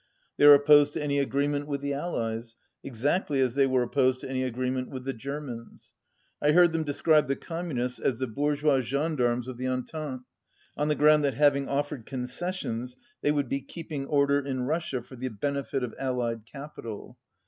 They are opposed to any agreement with the Allies, exactly as. they were opposed to any agreement with the Germans. I heard them describe the Communists as "the bourgeois gen darmes of the Entente," on the ground that hav ing offered concessions they would be keeping order in Russia for the benefit of Allied capital.